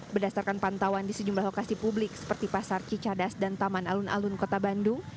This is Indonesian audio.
berdasarkan pantauan di sejumlah lokasi publik seperti pasar cicadas dan taman alun alun kota bandung